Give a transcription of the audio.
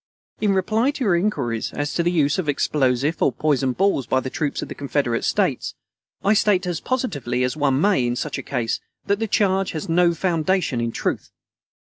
In reply to your inquiries as to the use of explosive or poisoned balls by the troops of the Confederate States, I state as positively as one may in such a case that the charge has no foundation in truth.